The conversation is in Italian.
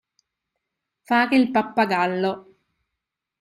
Fare il pappagallo.